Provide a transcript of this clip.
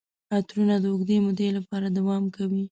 عطرونه د اوږدې مودې لپاره دوام کوي.